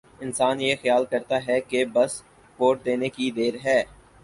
انسان یہ خیال کرتا ہے کہ بس ووٹ دینے کی دیر ہے۔